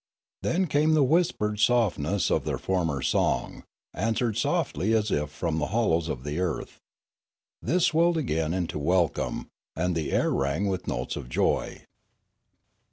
Then came the whispered softness of their former song; answered softly as if from the hollows of the earth. This swelled again into welcome, and the air rang with notes of joy.